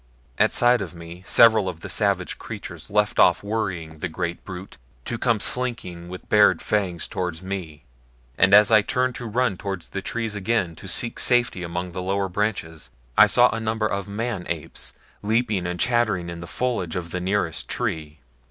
At sight of me several of the savage creatures left off worrying the great brute to come slinking with bared fangs toward me, and as I turned to run toward the trees again to seek safety among the lower branches, I saw a number of the man apes leaping and chattering in the foliage of the nearest tree.